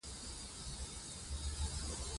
یاقوت د افغانستان د بشري فرهنګ برخه ده.